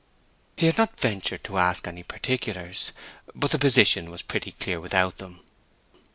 He had not ventured to ask her any particulars; but the position was pretty clear without them.